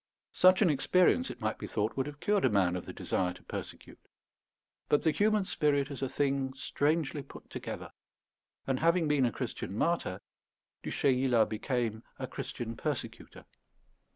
Such an experience, it might be thought, would have cured a man of the desire to persecute; but the human spirit is a thing strangely put together; and, having been a Christian martyr, Du Chayla became a Christian persecutor.